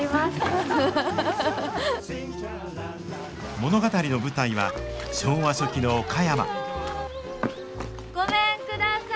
物語の舞台は昭和初期の岡山ごめんください。